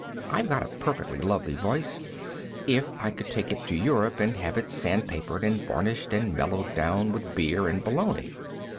I've got a perfectly lovely voice, if I would take it to Europe and have it sand papered and varnished, and mellowed down with beer and bologna.